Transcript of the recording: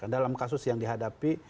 dalam kasus yang dihadapi